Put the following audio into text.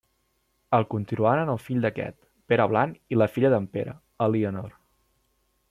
El continuaren el fill d'aquest, Pere Blan, i la filla d'en Pere, Elionor.